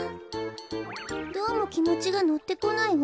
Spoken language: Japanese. どうもきもちがのってこないわ。